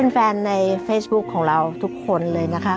แฟนในเฟซบุ๊คของเราทุกคนเลยนะคะ